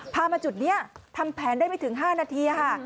พามาจุดนี้ทำแผนได้ไม่ถึง๕นาทีค่ะ